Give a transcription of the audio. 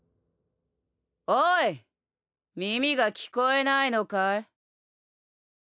おい耳が聞こえないのかい？